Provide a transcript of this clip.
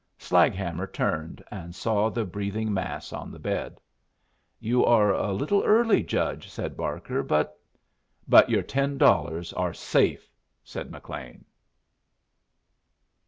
Slaghammer turned, and saw the breathing mass on the bed. "You are a little early, Judge," said Barker, "but " "But your ten dollars are safe," said McLean.